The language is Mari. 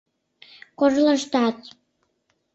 кожлаштат